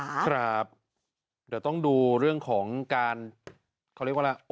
เดี๋ยวต้องดูเรื่องของการเขาเรียกว่าอะไร